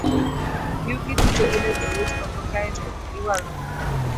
Yugi duto onego owit oko kae to iwang'ogi.